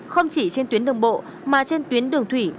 không chỉ trên tuyến đường bộ mà trên tuyến đường thủy